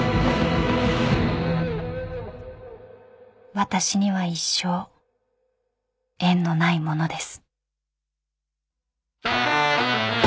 ［私には一生縁のないものです］